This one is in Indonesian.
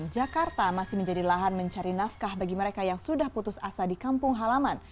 jakarta masih menjadi lahan mencari nafkah bagi mereka yang sudah putus asa di kampung halaman